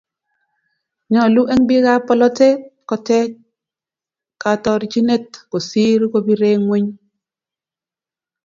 nyooluu eng biikab bolotee kocheny kaatorchinet kosiir kobire ng'weny.